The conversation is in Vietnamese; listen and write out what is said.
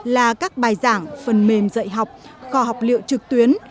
là các bài giảng phần mềm dạy học kho học liệu trực tuyến